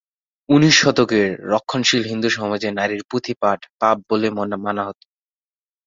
উনিশ শতকের রক্ষণশীল হিন্দু সমাজে নারীর পুঁথি পাঠ পাপ বলে মানা হত।